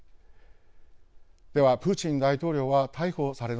ではプーチン大統領は逮捕されるのでしょうか。